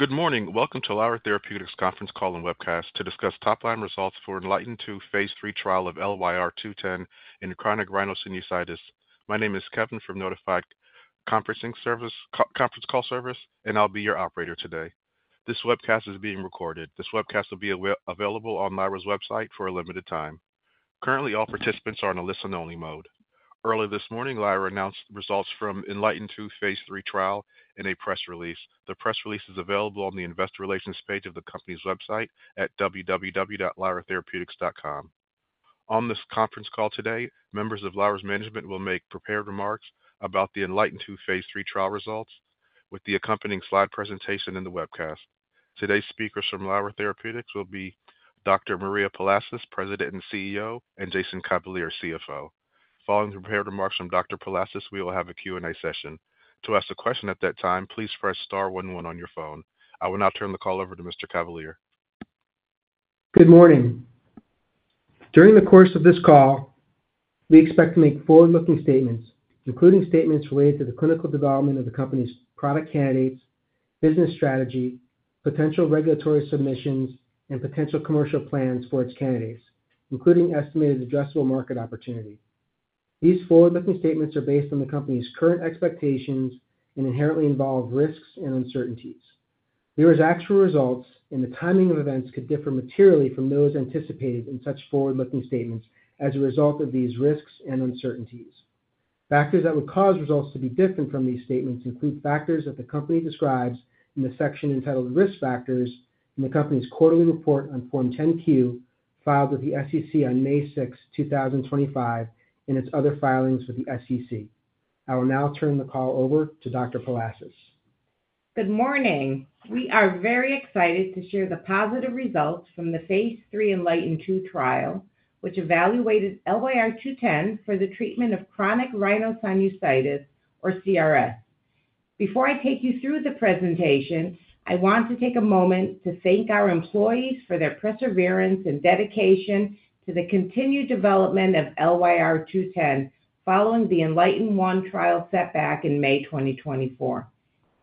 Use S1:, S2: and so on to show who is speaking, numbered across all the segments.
S1: Good morning. Welcome to Lyra Therapeutics' Conference Call and webcast to discuss top-line results for Enlightened II phase III trial of LYR-210 in chronic rhinosinusitis. My name is Kevin from Notify Conference Call Service, and I'll be your operator today. This webcast is being recorded. This webcast will be available on Lyra's website for a limited time. Currently, all participants are on a listen-only mode. Earlier this morning, Lyra announced results from Enlightened II phase III trial in a press release. The press release is available on the investor relations page of the company's website at www.lyratherapeutics.com. On this conference call today, members of Lyra's management will make prepared remarks about the Enlightened II phase III trial results with the accompanying slide presentation and the webcast. Today's speakers from Lyra Therapeutics will be Dr. Maria Palasis, President and CEO, and Jason Cavalier, CFO. Following the prepared remarks from Dr. Palasis, we will have a Q&A session. To ask a question at that time, please press star one one on your phone. I will now turn the call over to Mr. Cavalier.
S2: Good morning. During the course of this call, we expect to make forward-looking statements, including statements related to the clinical development of the company's product candidates, business strategy, potential regulatory submissions, and potential commercial plans for its candidates, including estimated addressable market opportunity. These forward-looking statements are based on the company's current expectations and inherently involve risks and uncertainties. Lyra's actual results and the timing of events could differ materially from those anticipated in such forward-looking statements as a result of these risks and uncertainties. Factors that would cause results to be different from these statements include factors that the company describes in the section entitled Risk Factors in the company's quarterly report on Form 10-Q filed with the SEC on May 6, 2025, and its other filings with the SEC. I will now turn the call over to Dr. Palasis.
S3: Good morning. We are very excited to share the positive results from the phase III Enlightened II trial, which evaluated LYR-210 for the treatment of chronic rhinosinusitis, or CRS. Before I take you through the presentation, I want to take a moment to thank our employees for their perseverance and dedication to the continued development of LYR-210 following the Enlightened I trial setback in May 2024.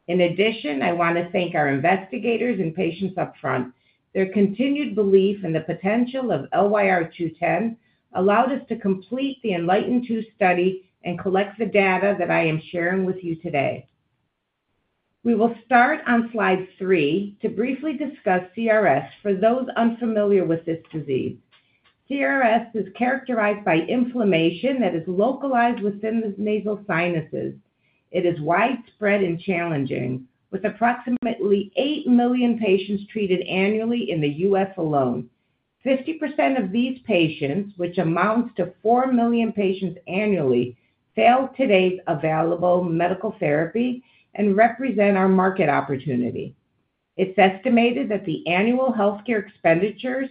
S3: In addition, I want to thank our investigators and patients upfront. Their continued belief in the potential of LYR-210 allowed us to complete the Enlightened II study and collect the data that I am sharing with you today. We will start on slide three to briefly discuss CRS for those unfamiliar with this disease. CRS is characterized by inflammation that is localized within the nasal sinuses. It is widespread and challenging, with approximately eight million patients treated annually in the U.S. alone. 50% of these patients, which amounts to four million patients annually, fail today's available medical therapy and represent our market opportunity. It's estimated that the annual healthcare expenditures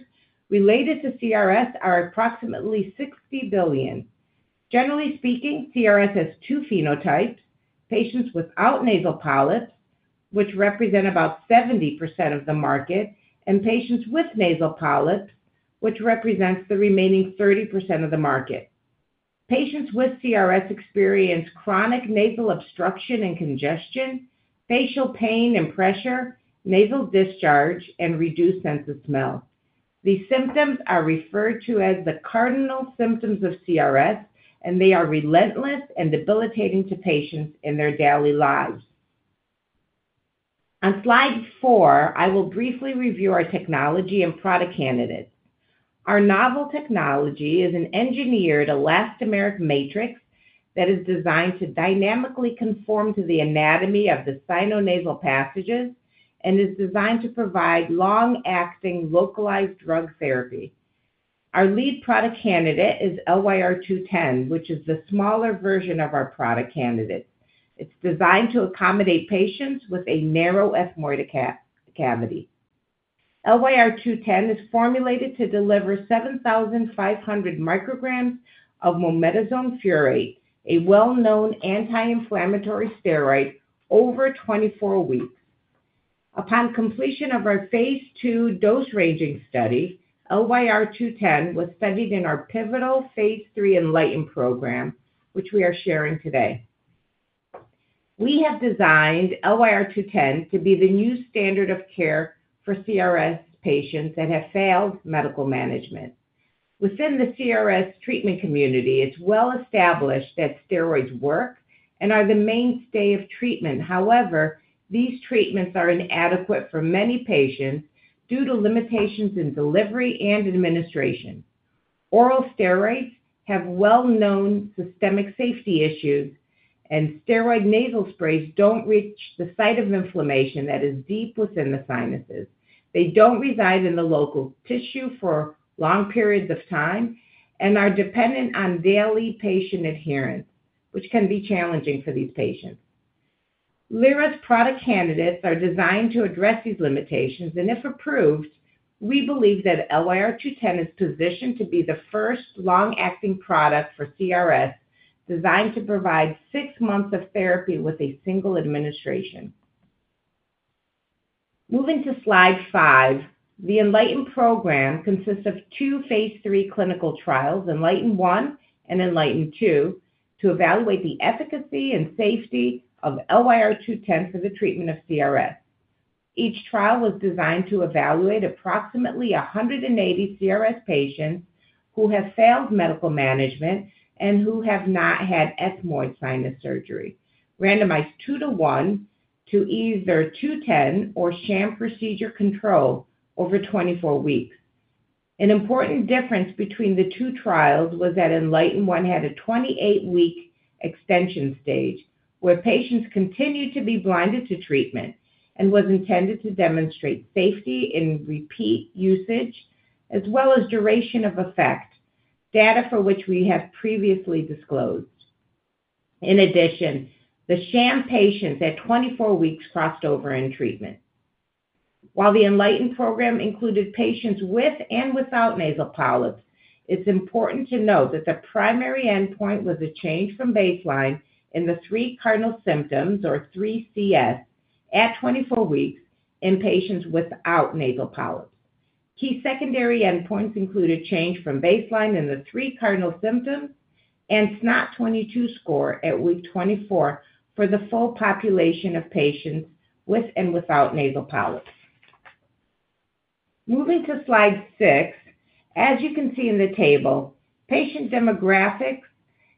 S3: related to CRS are approximately $60 billion. Generally speaking, CRS has two phenotypes: patients without nasal polyps, which represent about 70% of the market, and patients with nasal polyps, which represents the remaining 30% of the market. Patients with CRS experience chronic nasal obstruction and congestion, facial pain and pressure, nasal discharge, and reduced sense of smell. These symptoms are referred to as the cardinal symptoms of CRS, and they are relentless and debilitating to patients in their daily lives. On slide four, I will briefly review our technology and product candidates. Our novel technology is an engineered elastomeric matrix that is designed to dynamically conform to the anatomy of the sinonasal passages and is designed to provide long-acting localized drug therapy. Our lead product candidate is LYR-210, which is the smaller version of our product candidate. It's designed to accommodate patients with a narrow ethmoid cavity. LYR-210 is formulated to deliver 7,500 micrograms of mometasone furoate, a well-known anti-inflammatory steroid, over 24 weeks. Upon completion of our phase II dose-ranging study, LYR-210 was studied in our pivotal phase III Enlightened program, which we are sharing today. We have designed LYR-210 to be the new standard of care for CRS patients that have failed medical management. Within the CRS treatment community, it's well established that steroids work and are the mainstay of treatment. However, these treatments are inadequate for many patients due to limitations in delivery and administration. Oral steroids have well-known systemic safety issues, and steroid nasal sprays don't reach the site of inflammation that is deep within the sinuses. They don't reside in the local tissue for long periods of time and are dependent on daily patient adherence, which can be challenging for these patients. Lyra's product candidates are designed to address these limitations, and if approved, we believe that LYR-210 is positioned to be the first long-acting product for CRS designed to provide six months of therapy with a single administration. Moving to slide five, the Enlightened program consists of two phase III clinical trials, Enlightened I and Enlightened II, to evaluate the efficacy and safety of LYR-210 for the treatment of CRS. Each trial was designed to evaluate approximately 180 CRS patients who have failed medical management and who have not had ethmoid sinus surgery, randomized two-to-one to either 210 or sham procedure control over 24 weeks. An important difference between the two trials was that Enlightened I had a 28-week extension stage where patients continued to be blinded to treatment and was intended to demonstrate safety in repeat usage as well as duration of effect, data for which we have previously disclosed. In addition, the sham patients at 24 weeks crossed over in treatment. While the Enlightened program included patients with and without nasal polyps, it's important to note that the primary endpoint was a change from baseline in the three cardinal symptoms, or 3CS, at 24 weeks in patients without nasal polyps. Key secondary endpoints include a change from baseline in the three cardinal symptoms and SNOT-22 score at week 24 for the full population of patients with and without nasal polyps. Moving to slide six, as you can see in the table, patient demographics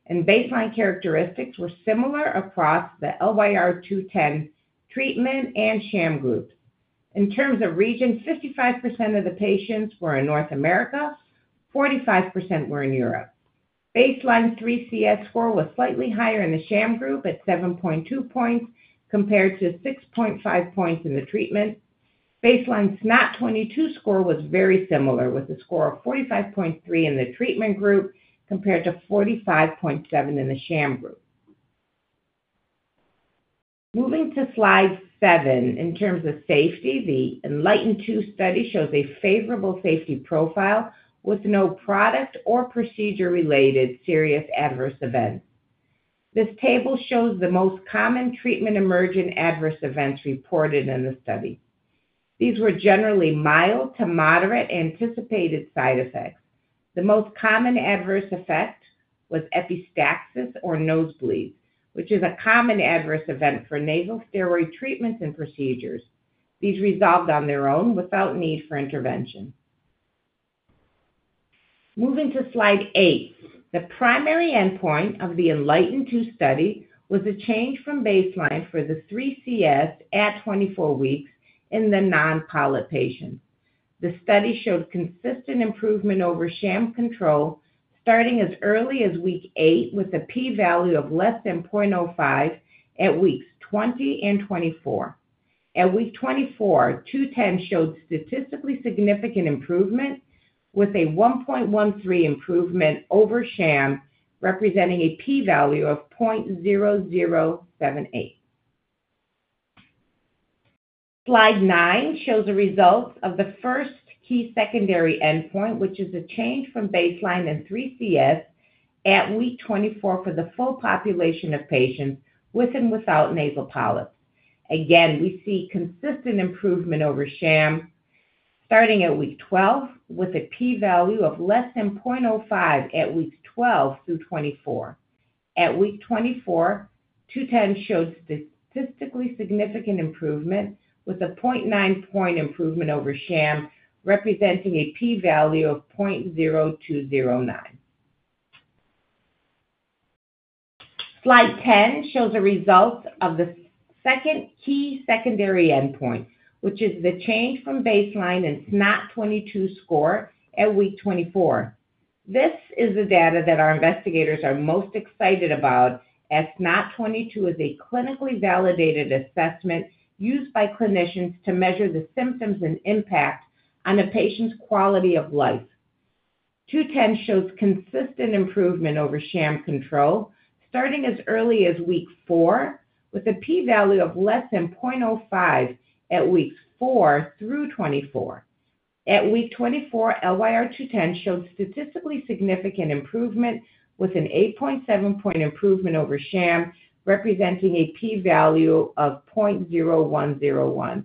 S3: and baseline characteristics were similar across the LYR-210 treatment and sham group. In terms of region, 55% of the patients were in North America, 45% were in Europe. Baseline 3CS score was slightly higher in the sham group at 7.2 points compared to 6.5 points in the treatment. Baseline SNOT-22 score was very similar, with a score of 45.3 in the treatment group compared to 45.7 in the sham group. Moving to slide seven, in terms of safety, the Enlightened II study shows a favorable safety profile with no product or procedure-related serious adverse events. This table shows the most common treatment-emergent adverse events reported in the study. These were generally mild to moderate anticipated side effects. The most common adverse effect was epistaxis or nosebleeds, which is a common adverse event for nasal steroid treatments and procedures. These resolved on their own without need for intervention. Moving to slide eight, the primary endpoint of the Enlightened II study was a change from baseline for the 3CS at 24 weeks in the non-polyp patients. The study showed consistent improvement over sham control starting as early as week eight, with a p-value of less than 0.05 at weeks 20 and 24. At week 24, 210 showed statistically significant improvement, with a 1.13 improvement over sham, representing a p-value of 0.0078. Slide nine shows the results of the first key secondary endpoint, which is a change from baseline in 3CS at week 24 for the full population of patients with and without nasal polyps. Again, we see consistent improvement over sham starting at week 12, with a p-value of less than 0.05 at weeks 12 through 24. At week 24, 210 showed statistically significant improvement, with a 0.9-point improvement over sham, representing a p-value of 0.0209. Slide 10 shows the results of the second key secondary endpoint, which is the change from baseline in SNOT-22 score at week 24. This is the data that our investigators are most excited about, as SNOT-22 is a clinically validated assessment used by clinicians to measure the symptoms and impact on a patient's quality of life. 210 shows consistent improvement over sham control starting as early as week four, with a p-value of less than 0.05 at weeks four through 24. At week 24, LYR-210 showed statistically significant improvement, with an 8.7-point improvement over sham, representing a p-value of 0.0101.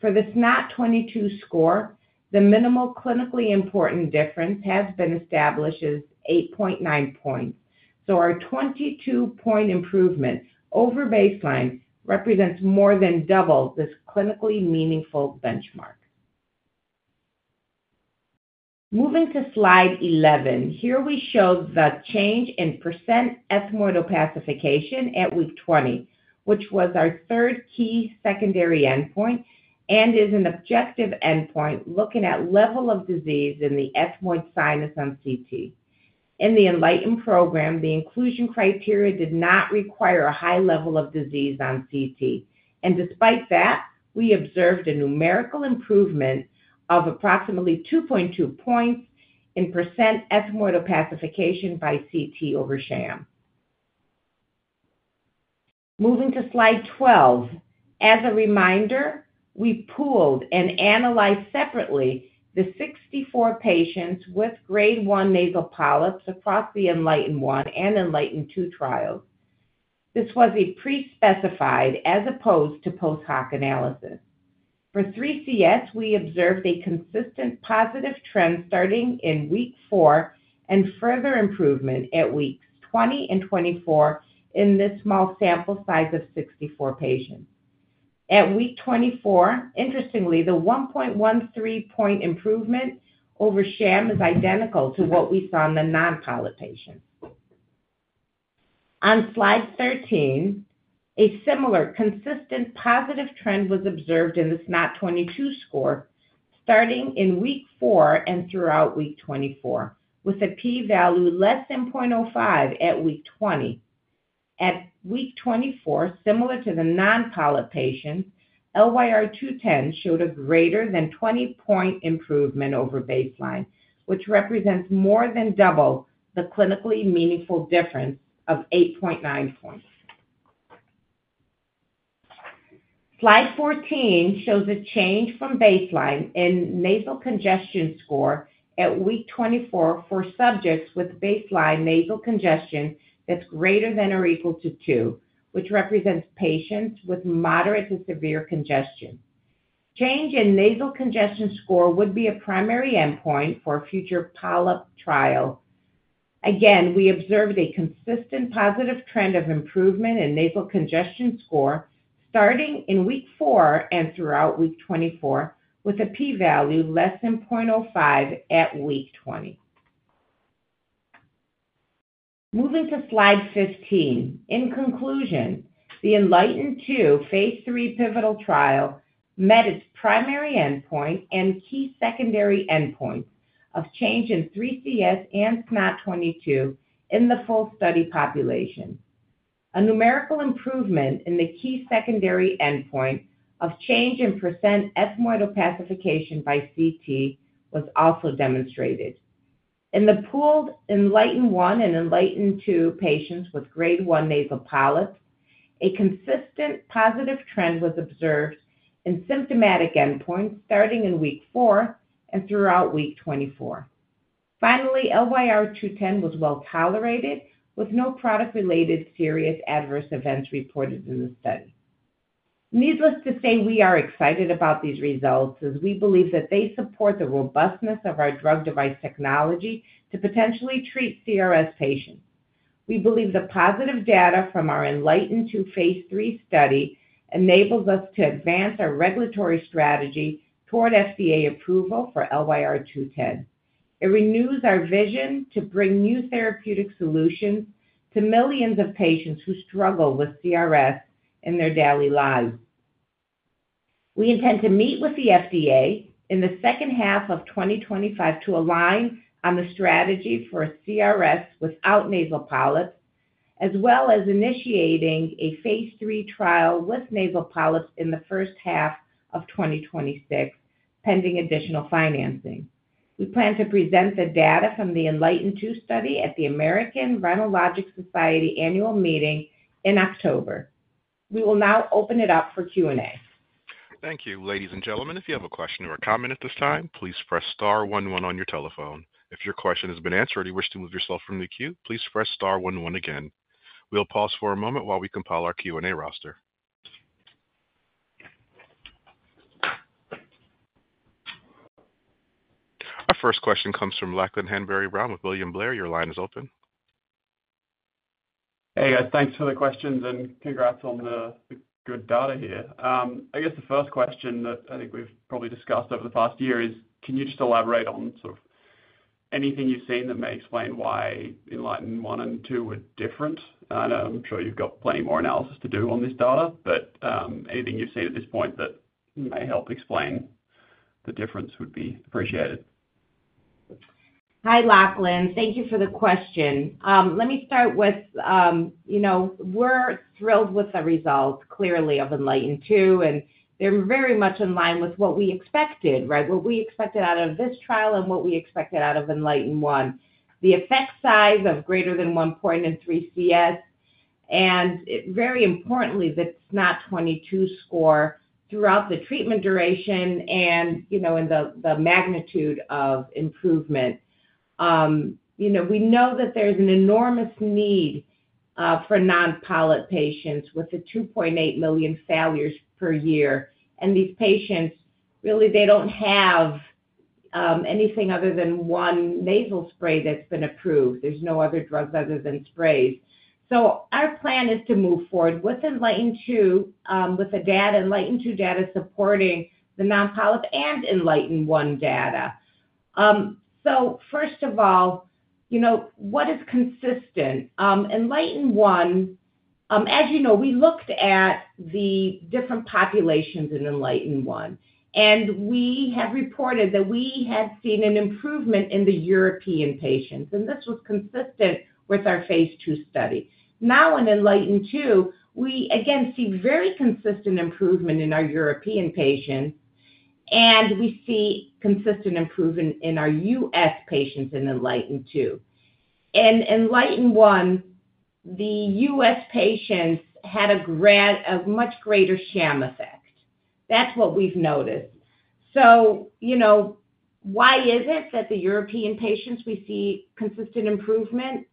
S3: For the SNOT-22 score, the minimal clinically important difference has been established as 8.9 points. Our 22-point improvement over baseline represents more than double this clinically meaningful benchmark. Moving to slide 11, here we show the change in % ethmoid opacification at week 20, which was our third key secondary endpoint and is an objective endpoint looking at level of disease in the ethmoid sinus on CT. In the Enlightened program, the inclusion criteria did not require a high level of disease on CT. Despite that, we observed a numerical improvement of approximately 2.2 points in % ethmoid opacification by CT over sham. Moving to slide 12, as a reminder, we pooled and analyzed separately the 64 patients with grade 1 nasal polyps across the Enlightened I and Enlightened II trials. This was a pre-specified as opposed to post-hoc analysis. For 3CS, we observed a consistent positive trend starting in week four and further improvement at weeks 20 and 24 in this small sample size of 64 patients. At week 24, interestingly, the 1.13-point improvement over sham is identical to what we saw in the non-polyp patients. On slide 13, a similar consistent positive trend was observed in the SNOT-22 score starting in week four and throughout week 24, with a p-value less than 0.05 at week 20. At week 24, similar to the non-polyp patients, LYR-210 showed a greater than 20-point improvement over baseline, which represents more than double the clinically meaningful difference of 8.9 points. Slide 14 shows a change from baseline in nasal congestion score at week 24 for subjects with baseline nasal congestion that is greater than or equal to two, which represents patients with moderate to severe congestion. Change in nasal congestion score would be a primary endpoint for a future polyp trial. Again, we observed a consistent positive trend of improvement in nasal congestion score starting in week four and throughout week 24, with a p-value less than 0.05 at week 20. Moving to slide 15. In conclusion, the Enlightened II phase III pivotal trial met its primary endpoint and key secondary endpoint of change in 3CS and SNOT-22 in the full study population. A numerical improvement in the key secondary endpoint of change in percent ethmoid opacification by CT was also demonstrated. In the pooled Enlightened I and Enlightened II patients with grade one nasal polyps, a consistent positive trend was observed in symptomatic endpoints starting in week four and throughout week 24. Finally, LYR-210 was well tolerated, with no product-related serious adverse events reported in the study. Needless to say, we are excited about these results as we believe that they support the robustness of our drug device technology to potentially treat CRS patients. We believe the positive data from our Enlightened II phase III study enables us to advance our regulatory strategy toward FDA approval for LYR-210. It renews our vision to bring new therapeutic solutions to millions of patients who struggle with CRS in their daily lives. We intend to meet with the FDA in the second half of 2025 to align on the strategy for CRS without nasal polyps, as well as initiating a phase III trial with nasal polyps in the first half of 2026, pending additional financing. We plan to present the data from the Enlightened II study at the American Rhinologic Society annual meeting in October. We will now open it up for Q&A.
S1: Thank you, ladies and gentlemen. If you have a question or a comment at this time, please press star one one on your telephone. If your question has been answered or you wish to move yourself from the queue, please press star one one again. We'll pause for a moment while we compile our Q&A roster. Our first question comes from Lachlan Hanbury-Brown with William Blair. Your line is open.
S4: Hey, thanks for the questions and congrats on the good data here. I guess the first question that I think we've probably discussed over the past year is, can you just elaborate on sort of anything you've seen that may explain why Enlightened I and II were different? I know I'm sure you've got plenty more analysis to do on this data, but anything you've seen at this point that may help explain the difference would be appreciated.
S3: Hi, Lachlan. Thank you for the question. Let me start with, you know, we're thrilled with the results, clearly, of Enlightened II, and they're very much in line with what we expected, right? What we expected out of this trial and what we expected out of Enlightened I. The effect size of greater than 1.3CS, and very importantly, the SNOT-22 score throughout the treatment duration and, you know, in the magnitude of improvement. You know, we know that there's an enormous need for non-polyp patients with the 2.8 million failures per year. And these patients, really, they don't have anything other than one nasal spray that's been approved. There's no other drugs other than sprays. Our plan is to move forward with Enlightened II with the data, Enlightened II data supporting the non-polyp and Enlightened I data. First of all, you know, what is consistent? Enlightened I, as you know, we looked at the different populations in Enlightened I, and we have reported that we had seen an improvement in the European patients. This was consistent with our phase II study. Now in Enlightened II, we again see very consistent improvement in our European patients, and we see consistent improvement in our U.S. patients in Enlightened II. In Enlightened I, the U.S. patients had a much greater sham effect. That's what we've noticed. You know, why is it that the European patients, we see consistent improvement?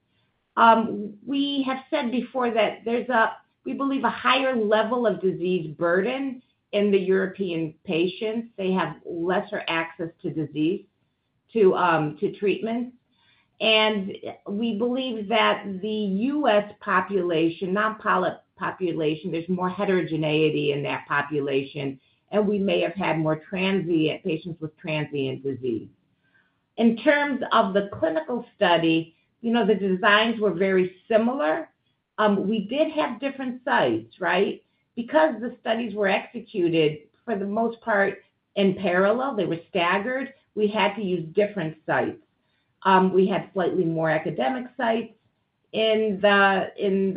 S3: We have said before that there's a, we believe, a higher level of disease burden in the European patients. They have lesser access to disease, to treatment. We believe that the U.S. population, non-polyp population, there's more heterogeneity in that population, and we may have had more transient patients with transient disease. In terms of the clinical study, you know, the designs were very similar. We did have different sites, right? Because the studies were executed for the most part in parallel, they were staggered, we had to use different sites. We had slightly more academic sites in Enlightened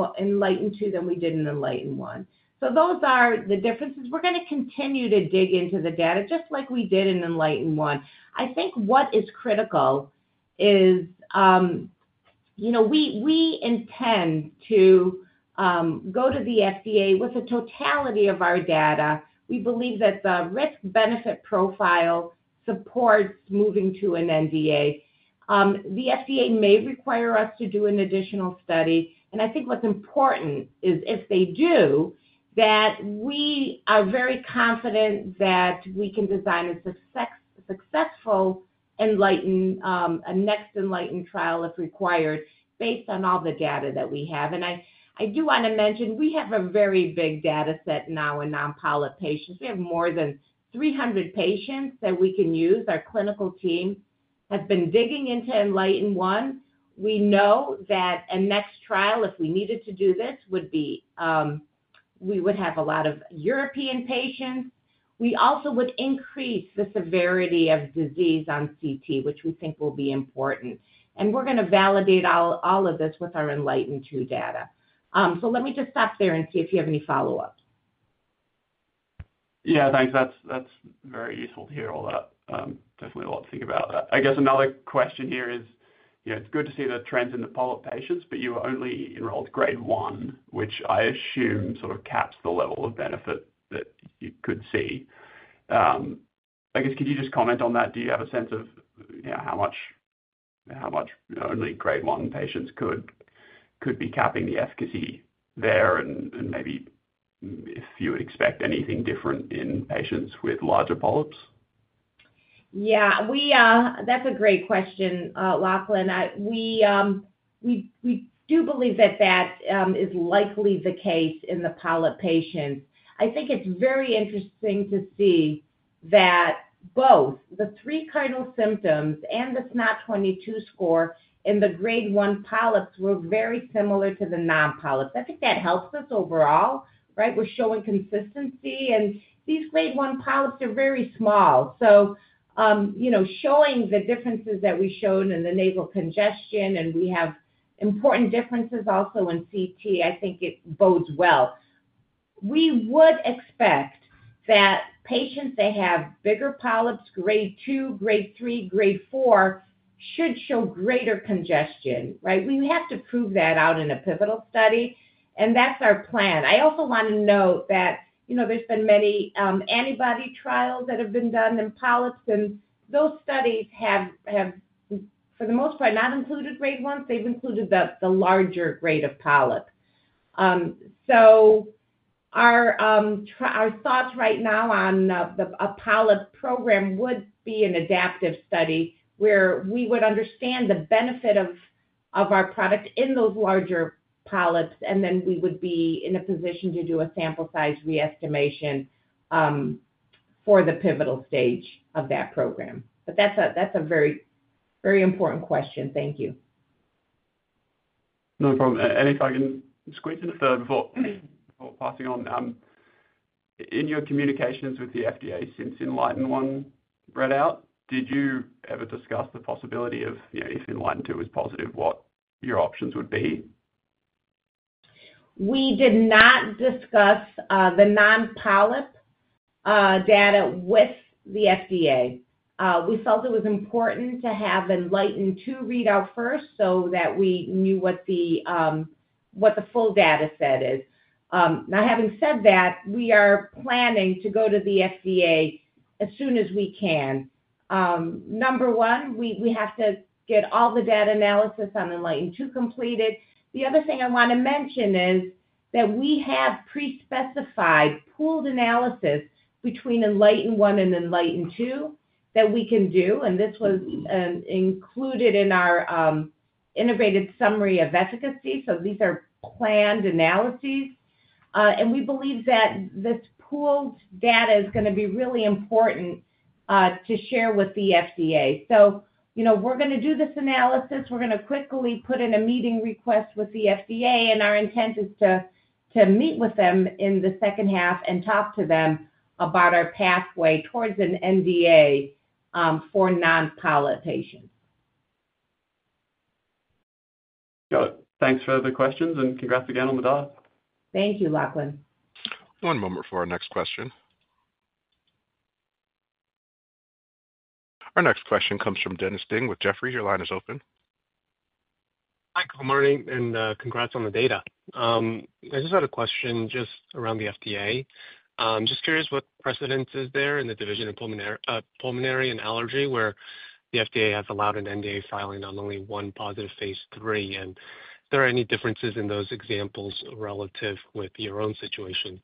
S3: II than we did in Enlightened I. So those are the differences. We're going to continue to dig into the data just like we did in Enlightened I. I think what is critical is, you know, we intend to go to the FDA with a totality of our data. We believe that the risk-benefit profile supports moving to an NDA. The FDA may require us to do an additional study. I think what's important is if they do, that we are very confident that we can design a successful Enlightened, a next Enlightened trial if required, based on all the data that we have. I do want to mention we have a very big data set now in non-polyp patients. We have more than 300 patients that we can use. Our clinical team has been digging into Enlightened I. We know that a next trial, if we needed to do this, would be we would have a lot of European patients. We also would increase the severity of disease on CT, which we think will be important. We are going to validate all of this with our Enlightened II data. Let me just stop there and see if you have any follow-ups.
S4: Yeah, thanks. That's very useful to hear all that. Definitely a lot to think about. I guess another question here is, you know, it's good to see the trends in the polyp patients, but you were only enrolled grade I, which I assume sort of caps the level of benefit that you could see. I guess, could you just comment on that? Do you have a sense of how much only grade I patients could be capping the efficacy there and maybe if you would expect anything different in patients with larger polyps?
S3: Yeah, we are. That's a great question, Lachlan. We do believe that that is likely the case in the polyp patients. I think it's very interesting to see that both the three cardinal symptoms and the SNOT-22 score in the grade I polyps were very similar to the non-polyps. I think that helps us overall, right? We're showing consistency. And these grade 1 polyps are very small. You know, showing the differences that we showed in the nasal congestion and we have important differences also in CT, I think it bodes well. We would expect that patients that have bigger polyps, grade II, grade III, grade IV, should show greater congestion, right? We have to prove that out in a pivotal study, and that is our plan. I also want to note that, you know, there have been many antibody trials that have been done in polyps, and those studies have, for the most part, not included grade I. They have included the larger grade of polyp. Our thoughts right now on a polyp program would be an adaptive study where we would understand the benefit of our product in those larger polyps, and then we would be in a position to do a sample size re-estimation for the pivotal stage of that program. That's a very, very important question. Thank you.
S4: No problem. Anything I can squeeze in before passing on? In your communications with the FDA since Enlightened I read out, did you ever discuss the possibility of, you know, if Enlightened II was positive, what your options would be?
S3: We did not discuss the non-polyp data with the FDA. We felt it was important to have Enlightened II read out first so that we knew what the full data set is. Now, having said that, we are planning to go to the FDA as soon as we can. Number one, we have to get all the data analysis on Enlightened II completed. The other thing I want to mention is that we have pre-specified pooled analysis between Enlightened I and Enlightened II that we can do, and this was included in our integrated summary of efficacy. These are planned analyses. We believe that this pooled data is going to be really important to share with the FDA. You know, we're going to do this analysis. We're going to quickly put in a meeting request with the FDA, and our intent is to meet with them in the second half and talk to them about our pathway towards an NDA for non-polyp patients.
S4: Got it. Thanks for the questions, and congrats again on the data.
S3: Thank you, Lachlan.
S1: One moment for our next question. Our next question comes from Dennis Ding with Jefferies. Your line is open.
S5: Hi, good morning, and congrats on the data. I just had a question just around the FDA. Just curious what precedence is there in the Division of Pulmonary and Allergy, where the FDA has allowed an NDA filing on only one positive phase III. Are there any differences in those examples relative with your own situation?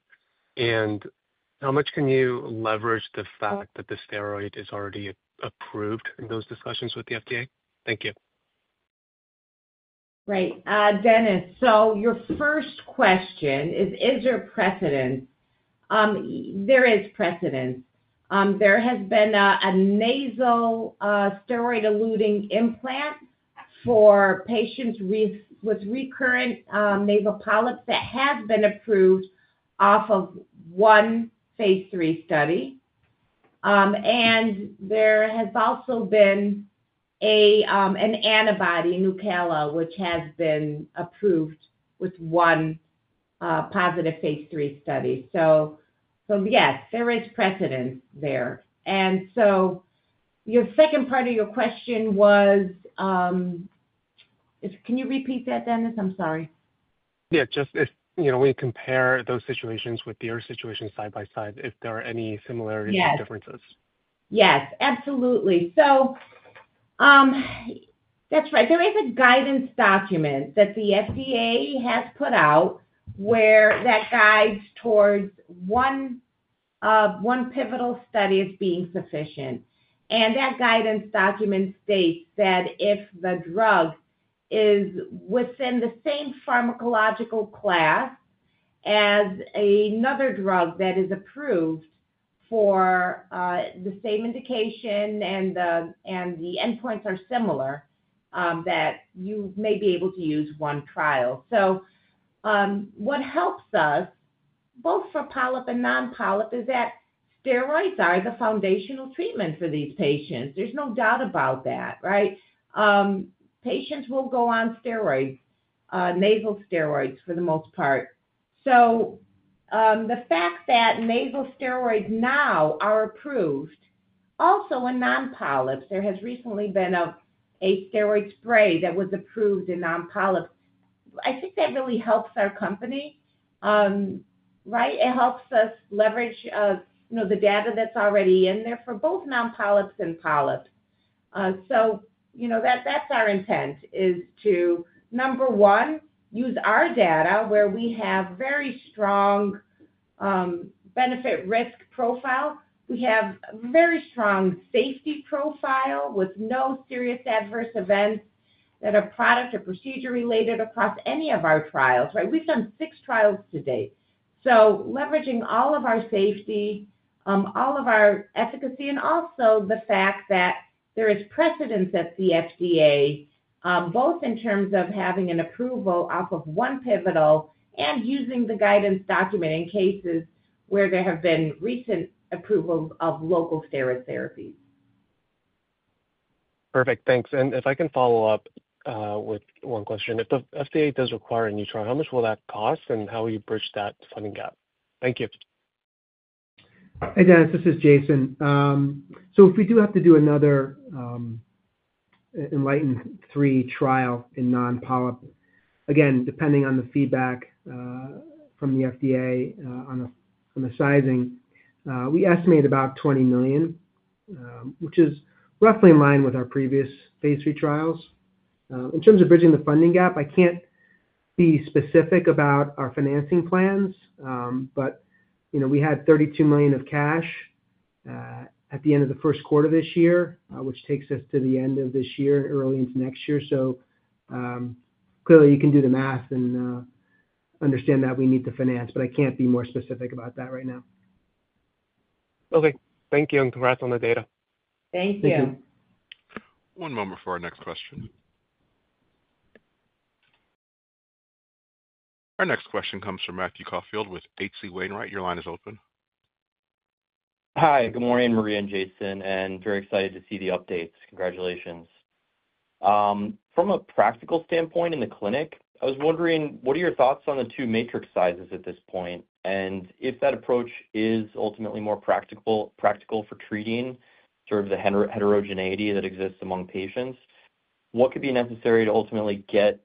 S5: How much can you leverage the fact that the steroid is already approved in those discussions with the FDA? Thank you.
S3: Right. Dennis, your first question is, is there precedence? There is precedence. There has been a nasal steroid-eluting implant for patients with recurrent nasal polyps that has been approved off of one phase III study. There has also been an antibody, Nucala, which has been approved with one positive phase III study. Yes, there is precedence there. Your second part of your question was, can you repeat that, Dennis? I'm sorry.
S5: Yeah, just, you know, when you compare those situations with your situation side by side, if there are any similarities or differences.
S3: Yes, absolutely. That's right. There is a guidance document that the FDA has put out that guides towards one pivotal study as being sufficient. That guidance document states that if the drug is within the same pharmacological class as another drug that is approved for the same indication and the endpoints are similar, that you may be able to use one trial. What helps us, both for polyp and non-polyp, is that steroids are the foundational treatment for these patients. There is no doubt about that, right? Patients will go on steroids, nasal steroids for the most part. The fact that nasal steroids now are approved also in non-polyps, there has recently been a steroid spray that was approved in non-polyps. I think that really helps our company, right? It helps us leverage, you know, the data that is already in there for both non-polyp and polyp. You know, that's our intent is to, number one, use our data where we have very strong benefit-risk profile. We have a very strong safety profile with no serious adverse events that are product or procedure-related across any of our trials, right? We've done six trials to date. Leveraging all of our safety, all of our efficacy, and also the fact that there is precedence at the FDA, both in terms of having an approval off of one pivotal and using the guidance document in cases where there have been recent approvals of local steroid therapies.
S5: Perfect. Thanks. If I can follow up with one question, if the FDA does require a new trial, how much will that cost and how will you bridge that funding gap? Thank you.
S2: Hey, Dennis, this is Jason. If we do have to do another Enlightened III trial in non-polyp, again, depending on the feedback from the FDA on the sizing, we estimate about $20 million, which is roughly in line with our previous phase III trials. In terms of bridging the funding gap, I can't be specific about our financing plans, but, you know, we had $32 million of cash at the end of the first quarter of this year, which takes us to the end of this year, early into next year. Clearly, you can do the math and understand that we need to finance, but I can't be more specific about that right now.
S5: Okay. Thank you and congrats on the data.
S3: Thank you.
S2: Thank you.
S1: One moment for our next question. Our next question comes from Matthew Caufield with H.C. Wainwright. Your line is open.
S6: Hi, good morning, Maria and Jason, and very excited to see the updates. Congratulations. From a practical standpoint in the clinic, I was wondering, what are your thoughts on the two matrix sizes at this point? If that approach is ultimately more practical for treating sort of the heterogeneity that exists among patients, what could be necessary to ultimately get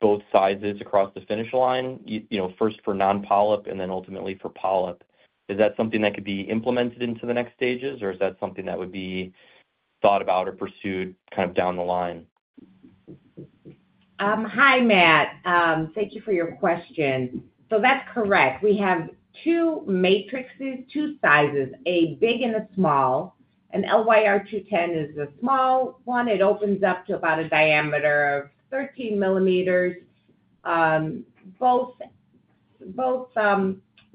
S6: both sizes across the finish line, you know, first for non-polyp and then ultimately for polyp? Is that something that could be implemented into the next stages, or is that something that would be thought about or pursued kind of down the line?
S3: Hi, Matt. Thank you for your question. That's correct. We have two matrices, two sizes, a big and a small. LYR-210 is a small one. It opens up to about a diameter of 13 millimeters. Both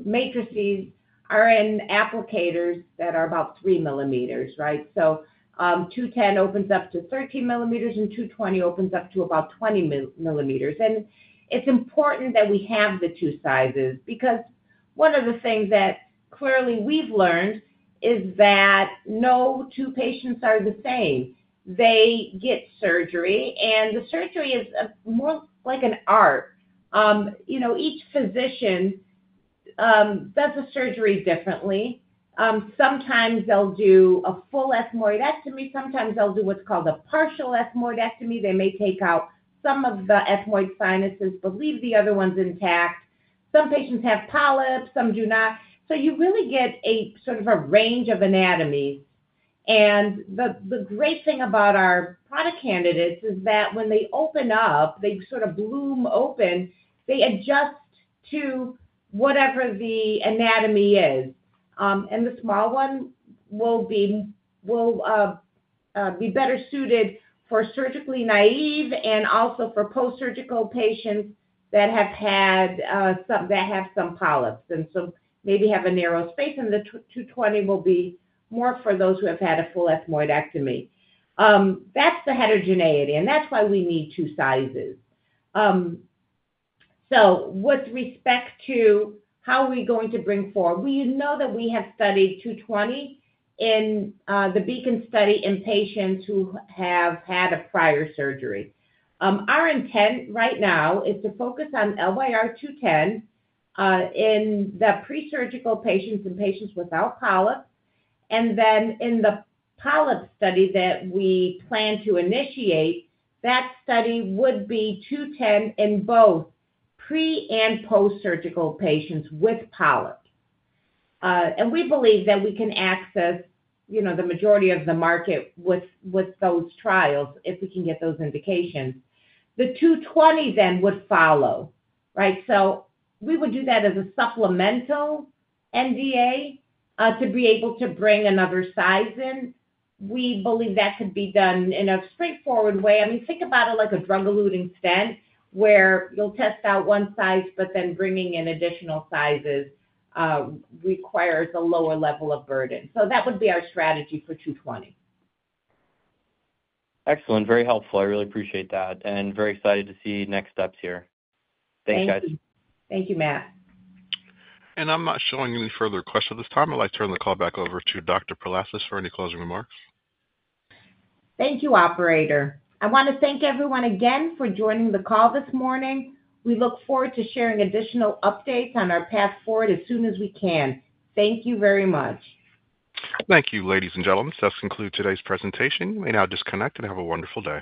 S3: matrices are in applicators that are about 3 millimeters, right? 210 opens up to 13 millimeters and 220 opens up to about 20 millimeters. It is important that we have the two sizes because one of the things that clearly we've learned is that no two patients are the same. They get surgery, and the surgery is more like an art. You know, each physician does the surgery differently. Sometimes they'll do a full ethmoidectomy. Sometimes they'll do what's called a partial ethmoidectomy. They may take out some of the ethmoid sinuses but leave the other ones intact. Some patients have polyps, some do not. You really get a sort of a range of anatomy. The great thing about our product candidates is that when they open up, they sort of bloom open, they adjust to whatever the anatomy is. The small one will be better suited for surgically naive and also for post-surgical patients that have had some polyps and maybe have a narrow space, and the 220 will be more for those who have had a full ethmoidectomy. That is the heterogeneity, and that is why we need two sizes. With respect to how we are going to bring forward, we know that we have studied 220 in the BEACON study in patients who have had a prior surgery. Our intent right now is to focus on LYR-210 in the presurgical patients and patients without polyps. In the polyp study that we plan to initiate, that study would be 210 in both pre and post-surgical patients with polyps. We believe that we can access, you know, the majority of the market with those trials if we can get those indications. The 220 then would follow, right? So we would do that as a supplemental NDA to be able to bring another size in. We believe that could be done in a straightforward way. I mean, think about it like a drug-eluting stent where you'll test out one size, but then bringing in additional sizes requires a lower level of burden. That would be our strategy for 220.
S6: Excellent. Very helpful. I really appreciate that and very excited to see next steps here. Thanks, guys.
S3: Thank you. Thank you, Matt.
S1: I'm not showing any further questions at this time. I'd like to turn the call back over to Dr. Palasis for any closing remarks.
S3: Thank you, Operator. I want to thank everyone again for joining the call this morning. We look forward to sharing additional updates on our path forward as soon as we can. Thank you very much.
S1: Thank you, ladies and gentlemen. That concludes today's presentation. You may now disconnect and have a wonderful day.